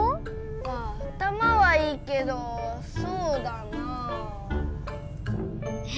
まあ頭はいいけどそうだな。え？